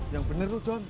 yang bener tuh john